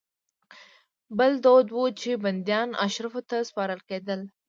بل دود دا و چې بندیان اشرافو ته سپارل کېدل.